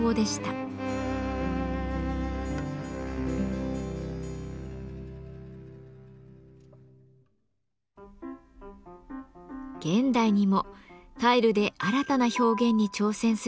現代にもタイルで新たな表現に挑戦する人がいます。